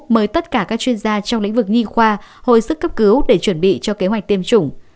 mời tất cả các chuyên gia trong lĩnh vực nhi khoa hồi sức cấp cứu để chuẩn bị cho kế hoạch tiêm chủng